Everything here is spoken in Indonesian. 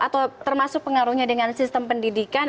atau termasuk pengaruhnya dengan sistem pendidikan